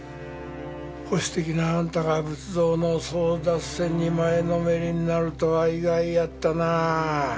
保守的なあんたが仏像の争奪戦に前のめりになるとは意外やったなあ。